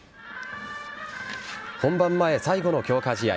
本番前、最後の強化試合。